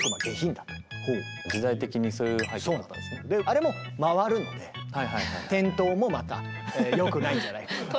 あれも回るので転倒もまたよくないんじゃないかと。